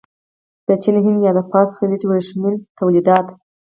د چین، هند یا د فارس خلیج ورېښمین تولیدات.